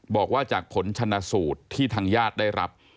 บอกว่าจากผลชนะสูตรที่ทางญาติได้รับ